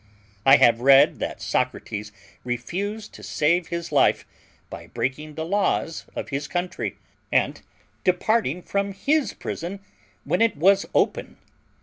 I have read that Socrates refused to save his life by breaking the laws of his country, and departing from his prison when it was open.